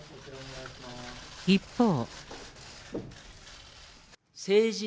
一方。